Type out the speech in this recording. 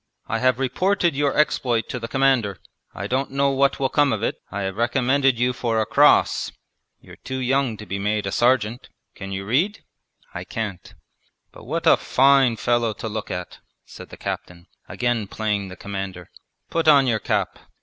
'I have reported your exploit to the Commander. I don't know what will come of it. I have recommended you for a cross; you're too young to be made a sergeant. Can you read?' 'I can't.' 'But what a fine fellow to look at!' said the captain, again playing the commander. 'Put on your cap.